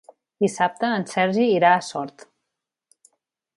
Dissabte en Sergi irà a Sort.